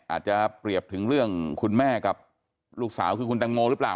อาจจะเปรียบถึงเรื่องคุณแม่กับลูกสาวคือคุณแตงโมหรือเปล่า